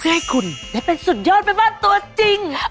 จะให้คุณได้เป็นสุดยอดเป็นบ้านตัวจริง